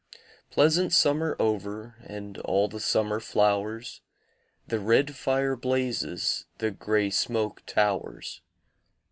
Pleasant summer over And all the summer flowers, The red fire blazes, The grey smoke towers.